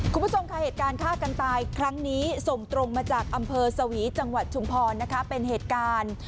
คุณผู้ชมค่ะเหตุการณ์ฆ่ากันตายครั้งนี้ส่งตรงมาจากอำเภอสวีจังหวัดชุมพรนะคะเป็นเหตุการณ์